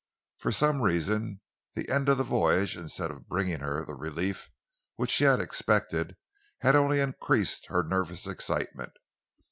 For some reason, the end of the voyage, instead of bringing her the relief which she had expected, had only increased her nervous excitement.